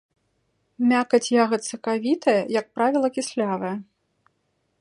Мякаць ягад сакавітая, як правіла, кіслявая.